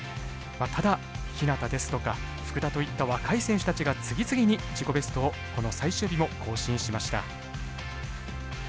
ただ日向ですとか福田といった若い選手たちが次々に自己ベストをこの最終日も更新しました。